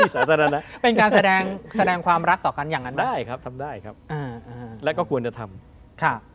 แสดงความรักต่อกันอย่างนั้นได้ครับทำได้ครับแล้วก็ควรจะทำ